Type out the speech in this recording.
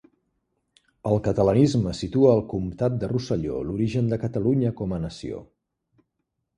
El catalanisme situa al comtat de Rosselló l'origen de Catalunya com a nació.